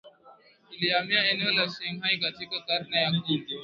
ilihamia eneo la Xinjiang Katika karne ya kumi